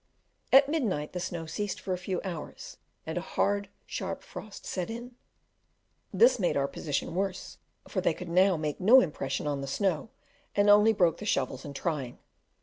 At midnight the snow ceased for a few hours, and a hard sharp frost set in; this made our position worse, for they could now make no impression on the snow, and only broke the shovels in trying.